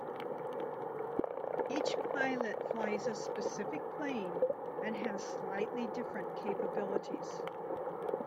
Each pilot flies a specific plane and has slightly different capabilities.